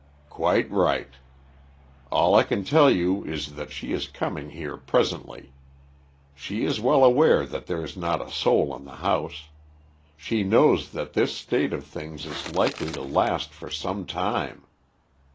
Quite right. All I can tell you is that she is coming here presently. She is well aware that there is not a soul in the house. She knows that this state of things is likely to last for some time.